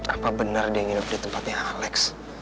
apa bener dia yang hidup di tempatnya alex